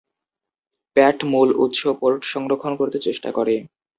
প্যাট মূল উৎস পোর্ট সংরক্ষন করতে চেষ্টা করে।